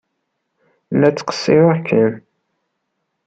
La ttqeṣṣireɣ kan!